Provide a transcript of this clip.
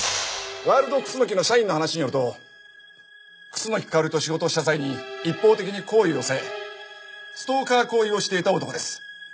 ワールドクスノキの社員の話によると楠木香織と仕事をした際に一方的に好意を寄せストーカー行為をしていた男です。